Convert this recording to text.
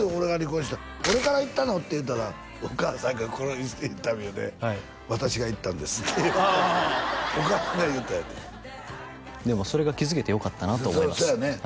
「俺から言ったの？」って言ったらお母さんがこのインタビューで「私が言ったんです」ってああお母さんが言ったいうてでもそれが気づけてよかったなと思いますそうやね